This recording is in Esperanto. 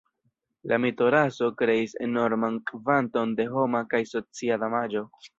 La mito 'raso' kreis enorman kvanton de homa kaj socia damaĝo.